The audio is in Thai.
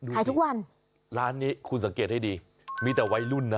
ขายทุกวันร้านนี้คุณสังเกตให้ดีมีแต่วัยรุ่นนะ